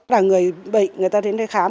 đằng người bệnh người ta đến đây khám